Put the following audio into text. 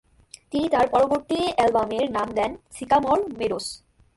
তিনি তার পরবর্তী অ্যালবামের নাম দেন "সিকামর মেডোস"।